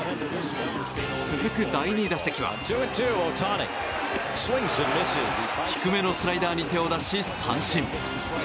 続く第２打席は低めのスライダーに手を出し三振。